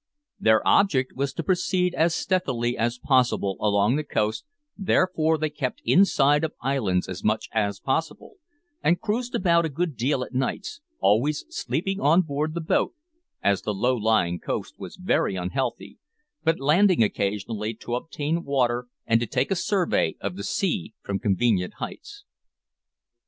Their object was to proceed as stealthily as possible along the coast, therefore they kept inside of islands as much as possible, and cruised about a good deal at nights, always sleeping on board the boat, as the low lying coast was very unhealthy, but landing occasionally to obtain water and to take a survey of the sea from convenient heights.